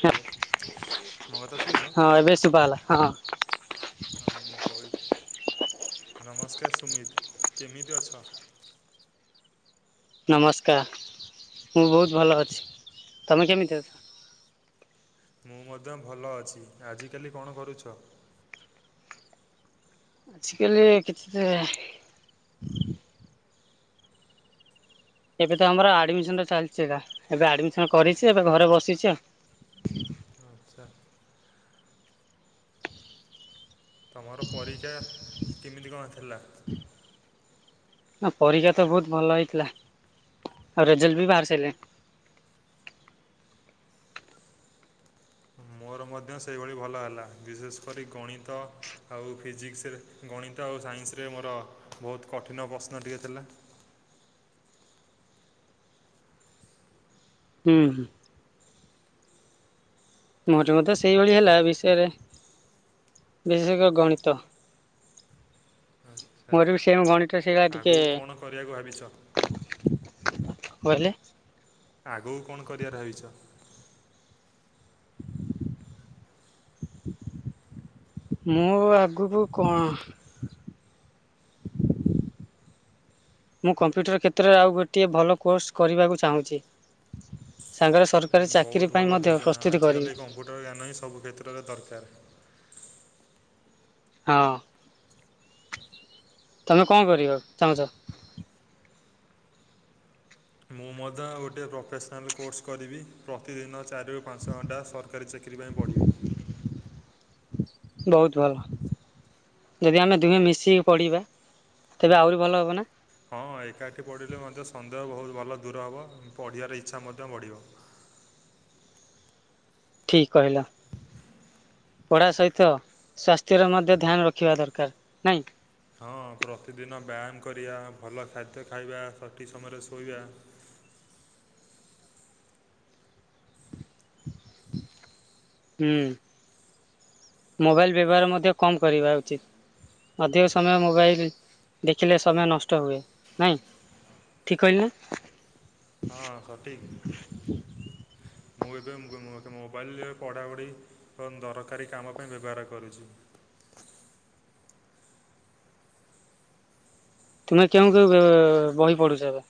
ହେ hello ମୋ କଥା ଶୁଭିଲା ହଁ ଏବେ ଶୁଭା ହେଲା ହଁ। ହଁ ମୁଁ କହଲି ନମସ୍କାର ସୁମିତ୍ କେମିତି ଅଛ? ନମସ୍କାର ମୁଁ ବହୁତ ଭଲ ଅଛି ତମେ କେମିତି ଅଛ? ମୁଁ ମଧ୍ୟ ଭଲ ଅଛି ଆଜିକାଲି କଣ କରୁଛ? ଆଜି କାଲି କିଛି ଏବେ ତ ଆମର ଆଡମିସନଟା ଚାଲିଛି ଏକା। ଏବେ ଆଡମିସନ କରିଛି ଏବେ ଘରେ ବସିଛି ଆଉ। ଆଚ୍ଛା। ତମର ପରୀକ୍ଷା କେମିତି କଣ ଥିଲା? ପରୀକ୍ଷା ତ ବହୁତ ଭଲ ହେଇଥିଲା ଆଉ ରେଜଲ୍ଟ ବି ବାହାରି ସାରିଲାଣି। ମୋର ମଧ୍ୟ ସେହିଭଳି ଭଲ ହେଲା ବିଶେଷ କରି ଗଣିତ। ଆଉ ଫିଜିକ୍ସରେ, ଗଣିତ ଆଉ ସାଇନ୍ସରେ ମୋର ବହୁତ କଠିନ ପ୍ରଶ୍ନ ଟିକେ ଥିଲା। ହୁଁ ହୁଁ। ମୋର ଯୋଗୁ ତ ସେଇଭଳି ହେଲା ବିଷୟରେ ବିଶେଷ କରି ଗଣିତ। ଆଚ୍ଛା, ମୋର ବି ସେଇଆ ଗଣିତ ସେଇଆ ଟିକେ ଆଗକୁ କଣ କରିବାକୁ ଭାବିଛ? କଣ କହିଲେ? ଆଗକୁ କଣ କରିବାର ଭାବିଛ? ମୁଁ ଆଗକୁ କଣ? ମୁଁ କମ୍ପ୍ୟୁଟର କ୍ଷେତ୍ରରେ ଆଉ ଗୋଟିଏ ଭଲ କୋର୍ସ କରିବାକୁ ଚାହୁଁଛି। ସାଙ୍ଗରେ ସର ବହୁତ ଭଲ ଯୋଜନା। ଆଜିକାଲି କମ୍ପ୍ୟୁଟର ଜ୍ଞାନ ହିଁ ସବୁ କ୍ଷେତ୍ରରେ ଦରକାର। ହଁ, ତମେ କଣ କରିବ ଚାହୁଁଛ? ମୁଁ ମଧ୍ୟ ଗୋଟିଏ ପ୍ରଫେସନାଲ୍ କୋର୍ସ କରିବି ପ୍ରତିଦିନ ଚାରିରୁ ପାଞ୍ଚ ଘଣ୍ଟା ସରକାରୀ ଚାକିରି ପାଇଁ ପଢ଼ିବି। ବହୁତ ଭଲ। ଯଦି ଆମେ ଦୁହେଁ ମିଶିକି ପଢିବା ତେବେ ଆହୁରି ଭଲ ହେବ ନା। ହଁ ଏକାଠି ପଢ଼ିଲେ ମଧ୍ୟ ସନ୍ଦେହ ବହୁତ ଭଲ ଦୂର ହେବ ପଢ଼ିବାର ଇଚ୍ଛା ମଧ୍ୟ ବଢ଼ିବ। ଠିକ୍ କହିଲ। ପଢା ସହିତ ସ୍ୱାସ୍ଥ୍ୟର ମଧ୍ୟ ଧ୍ୟାନ ରଖିବା ଦରକାର ନାଇଁ। ହଁ ପ୍ରତିଦିନ ବ୍ୟାୟାମ କରିବା, ଭଲ ଖାଦ୍ୟ ଖାଇବା, ସଠିକ୍ ସମୟରେ ଶୋଇବା। ହୁଁ। ମୋବାଇଲ୍ ବ୍ୟବହାର ମଧ୍ୟ କମ୍ କରିବା ଉଚିତ୍। ଅଧିକ ସମୟ ମୋବାଇଲ ଦେଖିଲେ ସମୟ ନଷ୍ଟ ହୁଏ ନାଇଁ। ଠିକ୍ କହିଲି ନା? ହଁ ସଠିକ୍। ମୁଁ ଏବେ ମୋବାଇଲରେ ପଢ଼ାପଢ଼ି ଫୋନ୍ ଦରକାରୀ କାମ ପାଇଁ ବ୍ୟବହାର କରୁଛି। ତୁମେ କେଉଁ କେଉଁ ବହି ପଢୁଛ ଏବେ?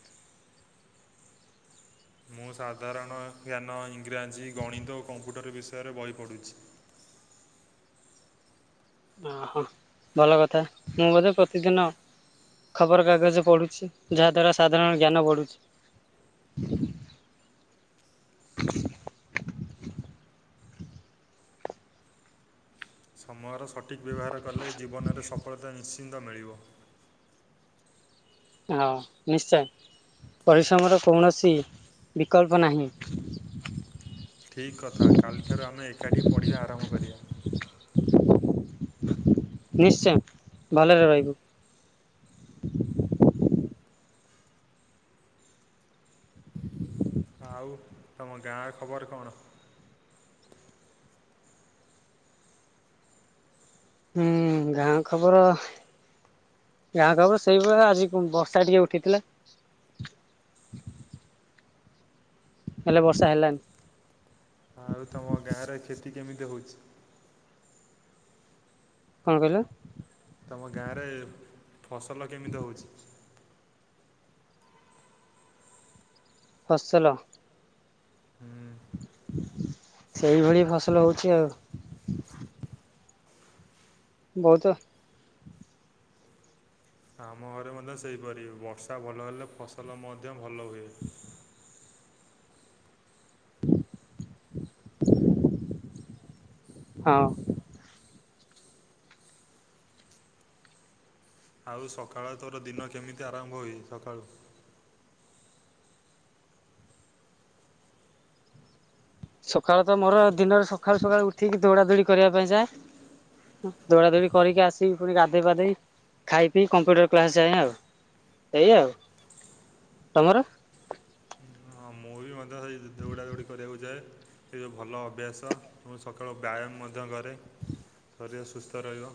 ମୁଁ ସାଧାରଣ ଜ୍ଞାନ ଇଂରାଜୀ ଗଣିତ ଓ କମ୍ପ୍ୟୁଟର ବିଷୟରେ ବହି ପଢ଼ୁଛି। ଓହୋ ଭଲ କଥା ମୁଁ ବୋଧେ ପ୍ରତିଦିନ ଖବରକାଗଜ ପଢ଼ୁଛି। ଯାହାଦ୍ୱାରା ସାଧାରଣ ଜ୍ଞାନ ବଢ଼ୁଛି। ସମୟର ସଠିକ୍ ବ୍ୟବହାର କଲେ ଜୀବନରେ ସଫଳତା ନିଶ୍ଚିନ୍ତ ମିଳିବ। ହଁ ନିଶ୍ଚୟ, ପରିଶ୍ରମର କୌଣସି ବିକଳ୍ପ ନାହିଁ। ଠିକ୍ କଥା। କାଲିଠାରୁ ଆମେ ଏକାଠି ପଢ଼ିବା ଆରମ୍ଭ କରିବା। ନିଶ୍ଚୟ ଭଲରେ ରହିବୁ। ଆଉ ତମ ଗାଁ ଖବର କଣ? ହୁଁ, ଗାଁ ଖବର? ଗାଁ ଖବର ସେଇଭଳିଆ ଆଜି ବର୍ଷା ଟିକେ ଉଠେଇଥିଲା। ହେଲେ ବର୍ଷା ହେଲାନି। ଆଉ ତମ ଗାଁରେ କ୍ଷେତି କେମିତି ହେଉଛି? କଣ କହିଲ? ତମ ଗାଆଁରେ ଫସଲ କେମିତି ହଉଛି? ଫସଲ? ହୁଁ। ସେଇଭଳି ଫସଲ ହଉଛି ଆଉ। ବହୁତ ଆମ ଘରେ ମଧ୍ୟ ସେହିପରି ବର୍ଷା ଭଲ ହେଲେ ଫସଲ ମଧ୍ୟ ଭଲ ହୁଏ। ହଁ। ଆଉ ସକାଳ ତୋର ଦିନ କେମିତି ଆରମ୍ଭ ହୁଏ ସକାଳୁ? ସଖାଳୁ ତ ମୋର ଦିନରେ ସଖାଳୁ-ସଖାଳୁ ଉଠିକି ଦୌଡାଦୌଡି କରିବା ପାଇଁ ଯାଏ। ଦୌଡାଦୋଡି କରିକି ଆସିକି ପୁଣି ଗାଧେଇ ପାଧେଇ ଖାଇ ପିଇ କମ୍ପ୍ୟୁଟର କ୍ଲାସ ଯାଏଁ ଆଉ। ଏଇ ଆଉ, ତମର? ହଁ ମୁଁ ବି ମଧ୍ୟ ସେଇ ଦୌଡ଼ାଦୌଡ଼ି କରିବାକୁ ଯାଏ। ଏ ଯୋଉ ଭଲ ଅଭ୍ୟାସ ମୁଁ ସକାଳୁ ବ୍ୟାୟାମ ମଧ୍ୟ କରେ। ଶରୀର ସୁସ୍ଥ ରହିବ।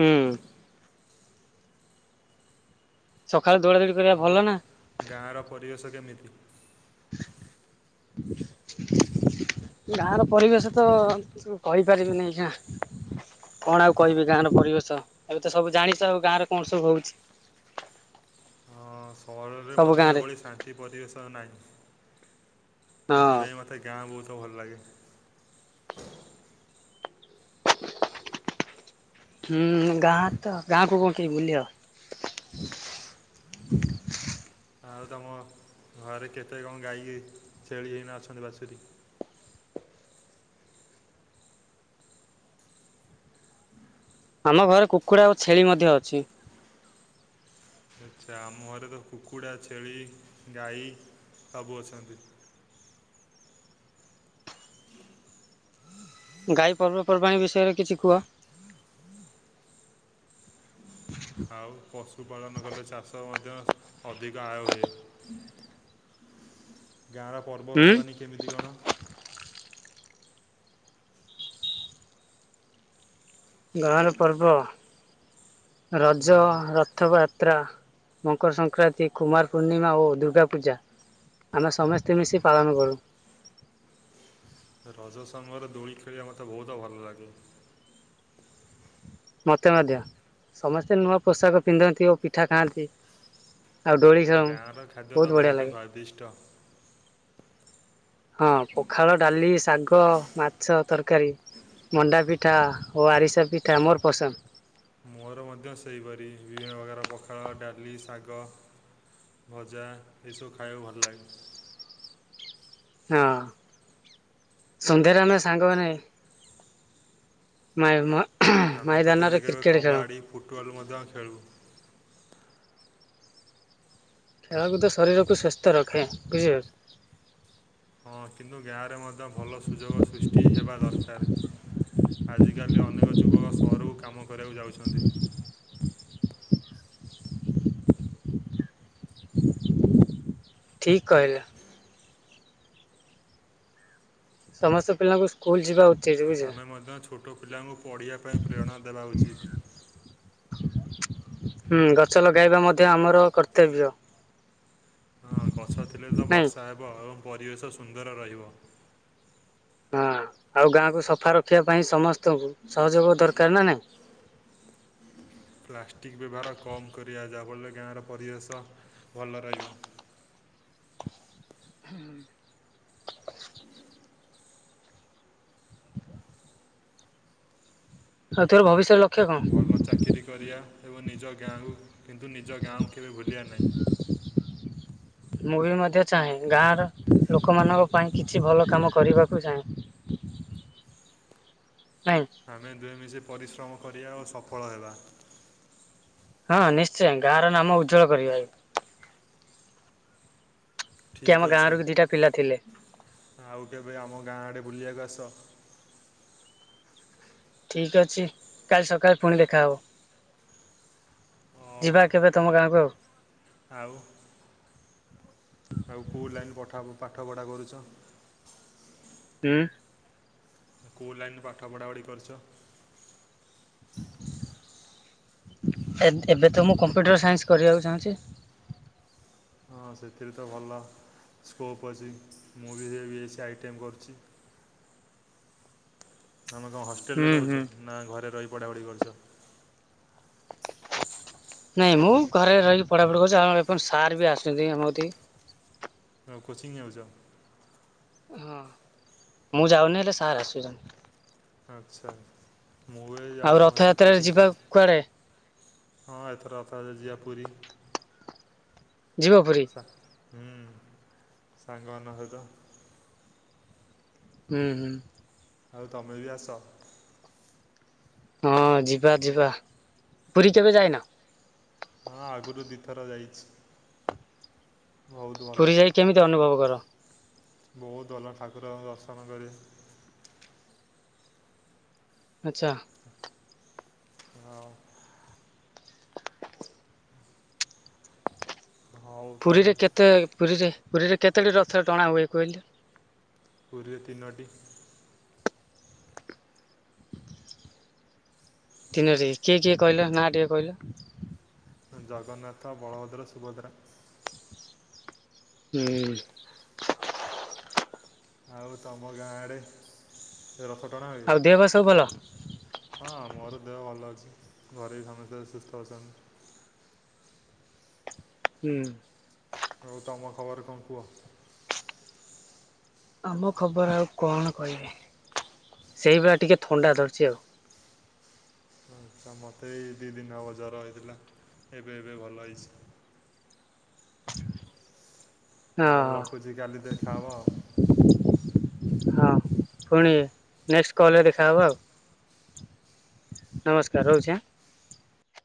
ହୁଁ। ସକାଳୁ ଦୌଡ଼ାଦୌଡ଼ି ଆଉ ଗାଆଁର ପରିବେଶ କେମିତି? ଗାଆଁର ପରିବେଶ ତ-ଅ-ଅ କହି ପାରିବିିନି ଏଇଖିନା। କଣ ଆଉ କହିବି ଗାଆଁର ପରିବେଶ ଏବେ ତ ସବୁ ଜାଣିଛ ଆଉ ଗାଆଁରେ କଣ ସବୁ ହଉଛି। ହଁଅ-ଅ, ସହରରେ ସବୁ ମଧ୍ୟ ଗାଁରେ ଏଭଳି ଶାନ୍ତି ପରିବେଶ ଆଉ ନାହିଁ। ହଁ ସେଥିପାଇଁ ମୋତେ ଗାଆଁ ବହୁତ ଭଲ ଲାଗେ। ହୁଁ-ଉ-ଉ ଗାଆଁ ତ ଗାଆଁକୁ କଣ କିଏ ଭୁଲି ହବ। ଆଉ ତମ ଘରେ କେତେ କଣ ଗାଈ, ଛେଳି ଏଇନା ଅଛନ୍ତି ବାଛୁରୀ? ଆମ ଘରେ କୁକୁଡ଼ା ଆଉ ଛେଳି ମଧ୍ୟ ଅଛି। ଆଚ୍ଛା, ଆମ ଘରେ ତ କୁକୁଡ଼ା, ଛେଳି, ଗାଈ ସବୁ ଅଛନ୍ତି। ଗାଈ ପର୍ବପର୍ବାଣୀ ବିଷୟରେ କିଛି କୁହ। ଆଉ ପଶୁପାଳନ କଲେ ଚାଷ ମଧ୍ୟ ଅଧିକ ଆୟ ହୁଏ, ଗାଁର ହୁଁ ପର୍ବପର୍ବାଣୀ କେମିତି କଣ? ଗାଆଁର ପର୍ବ ରଜ, ଉଁ, ରଥଯାତ୍ରା ମକର ସଂକ୍ରାନ୍ତି, କୁମାର ପୂର୍ଣ୍ଣିମା ଓ ଦୁର୍ଗା ପୂଜା। ଆମେ ସମସ୍ତେ ମିଶି ପାଳନ କରୁ। ରଜ ସମୟରେ ଦୋଳି ଖେଳିବା ମୋତେ ବହୁତ ଭଲ ଲାଗେ। ମୋତେ ମଧ୍ୟ, ସମସ୍ତେ ନୂଆ ପୋଷାକ ପିନ୍ଧନ୍ତି ଓ ପିଠା ଖାଆନ୍ତି। ଆଉ ଡୋଳି ଖେଳଉଁ, ଗାଁର ଖାଦ୍ୟ ତ ବହୁତ ବଢିଆ ଲାଗେ। ସ୍ୱାଦିଷ୍ଟ ହଁ, ପଖାଳ, ଡାଲି, ଶାଗ, ମାଛ ତରକାରୀ। ମଣ୍ଡା ପିଠା ଓ ଆରିସା ପିଠା ମୋର ପସନ୍ଦ। ମୋର ମଧ୍ୟ ସେହିପରି ବିଭିନ୍ନ ପ୍ରକାର ପଖାଳ, ଡାଲି, ଶାଗ ଭଜା ଏସବୁ ଖାଇବାକୁ ଭଲ ଲାଗେ। ହଁ, ସନ୍ଧ୍ୟାରେ ଆମେ ସାଙ୍ଗମାନେ ମାଇର ମୋର ଆମେ ତ କେବେ କେବେ କବାଡ଼ି, ଫୁଟବଲ୍ ମଧ୍ୟ ଖେଳୁ। ଖେଳକୁଦ ଶରୀରକୁ ସୁସ୍ଥ ରଖେ, ବୁଝି। [inaudible] ହଁ, କିନ୍ତୁ ଗାଁରେ ମଧ୍ୟ ଭଲ ସୁଯୋଗ ସୃଷ୍ଟି ହେବା ଦରକାର। ଆଜିକାଲି ଅନେକ ଯୁବକ ସହରକୁ କାମ କରିବାକୁ ଯାଉଛନ୍ତି। ଠିକ କହିଲେ। ସମସ୍ତ ପିଲାଙ୍କୁ ସ୍କୁଲ ଯିବା ଉଚିତ୍। ଆମେ ମଧ୍ୟ ଛୋଟ ପିଲାଙ୍କୁ ପଢ଼ିବା ପାଇଁ ପ୍ରେରଣା ଦେବା ଉଚିତ୍। ହୁଁ, ଗଛ ଲଗାଇବା ମଧ୍ୟ ଆମର କର୍ତ୍ତବ୍ୟ। ହଁ, ଗଛ ଥିଲେ ତ ନାଇଁ ବର୍ଷା ହେବ ଏବଂ ପରିବେଶ ସୁନ୍ଦର ରହିବ। ହଁ, ଆଉ ଗାଁକୁ ସଫା ରଖିବା ପାଇଁ ସମସ୍ତଙ୍କୁ ସହଯୋଗ ଦରକାର ନା ନାଇଁ। ପ୍ଲାଷ୍ଟିକ୍ ବ୍ୟବହାର କମ୍ କରିବା ଯା ଫଳରେ ଗାଁର ପରିବେଶ ଭଲ ରହିବ। ହୁଁ [unintelligible] ଭବିଷ୍ୟ ଲକ୍ ଭଲ ଚାକିରି କରିବା ଏବଂ ନିଜ ଗାଁକୁ କିନ୍ତୁ ନିଜ ଗାଁକୁ କେବେ ଭୁଲିବା ନାହିଁ। ମୁଁ ବି ମଧ୍ୟ ଚାହେଁ, ଗାଁର ଲୋକମାନଙ୍କ ପାଇଁ କିଛି ଭଲ କାମ କରିବାକୁ ଚାହେଁ। [inaudible] କାଇଁ। ଆମେ ଦୁହେଁ ମିଶି ପରିଶ୍ରମ କରିବା ଓ ସଫଳ ହେବା। ହଁ ନିଶ୍ଚୟ ଗାଁ ର ନାମ ଉଜ୍ଜ୍ୱଳ କରିବା। କି ଆମ ଠିକ୍ ଅଛି। ଗାଁରୁ ଦିଟା ପିଲା ଥିଲେ ଆଉ କେବେ ଆମ ଗାଁ ଆଡ଼େ ବୁଲିବାକୁ ଆସ। ଠିକ୍ ଅଛି କାଲି ସକାଳେ ପୁଣି ଦେଖାହେବ। ଆଉ ଯିବା କେବେ ତମ ଗାଁକୁ ଆଉ। ଆଉ ଆଉ କୋଉ ଲାଇନ୍ ପଠା ପାଠ ପଢ଼ା କରୁଛ? ଉଁ? ତ କଉ ଲାଇନ୍ ରେ ପାଠ ପଢ଼ାପଢ଼ି କରିଚ? ଏବେ ଏବେ ତ ମୁଁ କମ୍ପ୍ୟୁଟର୍ ସାଇନ୍ସ୍ କରିବାକୁ ଚାହୁଁଚି ହଁ ସେଥିରେ ତ ଭଲ ସ୍କୋପ୍ ଅଛି ମୁଁ ବି ସେ ବି ଏ ସ୍ ଆଇଟିଏମ୍ କରୁଚି। ତମେ କଣ ହଷ୍ଟେଲ୍ ରେ ହୁଁ ହୁଁ ରହୁଚ ନା ଘରେ ରହି ପଢ଼ାପଢ଼ି କରୁଚ? ନାହିଁ ମୁଁ ଘରେ ରହିକି ପଢ଼ାପଢ଼ି କରୁଛି ଆ ସାର୍ ବି ଆସୁଛନ୍ତି ଆମକତି କି ହଁ କୋଚିଂ ଯାଉଛ? ହଁ ମୁଁ ଯାଉନି ହେଲେ ସାର୍ ଆସୁଚନ୍ତି। ଆଛା ମୁଁ ଏଇ ଆଉ ଯାଉଛି ଆମର ସେଇଠି ରଥଯାତ୍ରାରେ କୋଚିଂ ଯିବା ସେଣ୍ଟର୍ କୁଆଡେ ହଁ ଏଥର ରଥ ଯାତ୍ରା ଯିବା ପୁରୀ ଯିବ ପୁରୀ? ହୁଁ ସାଙ୍ଗ ମାନ ସହିତ। ହୁଁ ହୁଁ। ଆଉ ତମେ ବି ଆସ। ହଁ ଯିବା ଯିବା ପୁରୀ କେବେ ଯାଇନ? ହଁ ଆଗରୁ ଦିଥର ଯାଇଛି। ବହୁତ୍ ଭଲ ପୁରୀ ଯାଇ କେମିତି ଅନୁଭବ କର? ବହୁତ୍ ଭଲ ଠାକୁର ଙ୍କ ଦର୍ଶନ କରିବେ। ଆଛା। ହଉ। ହଉ ପୁରୀରେ ତାହେଲେ କେତେ ପୁରୀରେ ପୁରୀରେ କେତେଟି ରଥ ଟଣା ହୁଏ କହିଲ? ପୁରୀ ରେ ତିନୋଟି। ତିନଟି କିଏ କିଏ କହିଲ ନା ଟିକେ କହିଲ? ଜଗନ୍ନାଥ, ବଳଭଦ୍ର, ସୁଭଦ୍ରା। ହୁଁ। ଆଉ ତମ ଗାଁଆ ଆଡେ ରଥ ଟଣା ହୁଏ। ଆଉ ଦେହ ବା ସବୁ ଭଲ। ହଁ ମୋର ଦେହ ଭଲ ଅଛି ଘରେ ବି ସମସ୍ତେ ସୁସ୍ଥ ଅଛନ୍ତି। ହୁଁ। ଆଉ ତମ ଖବର୍ କଣ କୁହ? ଆମ ଖବର୍ ଆଉ କଣ କହିବି ସେଇପା ଟିକେ ଥଣ୍ଡା ଧରିଛି ଆଉ ମତେ ବି ଏ ଦୁଇ ଦିନ ହେବ ଜର ହେଇଥିଲା ଏବେ ଏବେ ଭଲ ହେଇଛି। [unintelligible] ହଁ ହଉ ରଖୁଛି କାଲି ଦେଖାହେବା ଆଉ। ହଁ ପୁଣି ନେଷ୍ଟ୍ କଲରେ ଦେଖାହେବା ଆଉ। ନମସ୍କାର୍ ରହୁଛି ଆଁ।